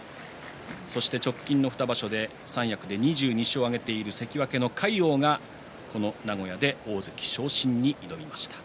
直近の２場所で三役２２勝を挙げている関脇の魁皇がこの名古屋で大関昇進に挑みました。